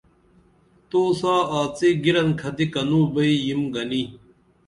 تو سا آڅی گِرنکھتی کنوں بئی یِم گنی